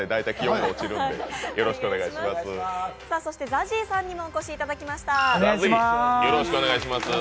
そしてＺＡＺＹさんにもお越しいただきました。